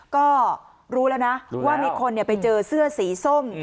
ก็รู้แล้วนะว่ามีคนไปเจอเสื้อสีส้ม